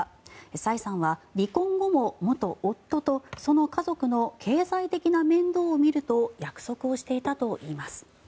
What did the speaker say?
サイさんは離婚後も、元夫とその家族の経済的な面倒を見ると約束をしていたといいます。